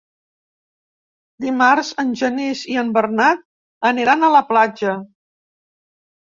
Dimarts en Genís i en Bernat aniran a la platja.